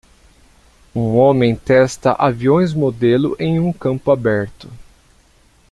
Um homem testa aviões modelo em um campo aberto.